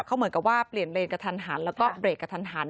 เขาเหมือนกับว่าเปลี่ยนเลนกระทันหันแล้วก็เบรกกระทันหัน